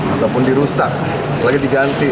ataupun dirusak lagi diganti